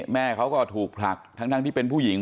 แม่เขาก็ถูกผลักทั้งที่เป็นผู้หญิง